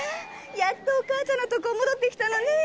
やっとお母ちゃんのとこ戻ってきたのねえ！